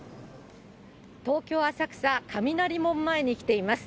東京・浅草、雷門前に来ています。